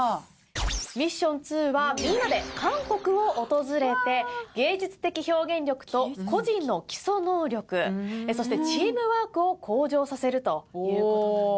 ミッション２はみんなで韓国を訪れて芸術的表現力と個人の基礎能力そしてチームワークを向上させるという事なんです。